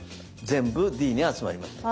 全部Ｄに集まりました。